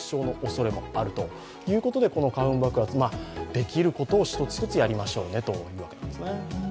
できることを一つ一つやりましょうねということですね。